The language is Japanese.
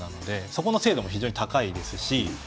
そこの精度も高いですし。